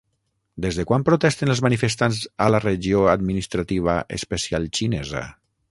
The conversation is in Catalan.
Des de quan protesten els manifestants a la regió administrativa especial xinesa?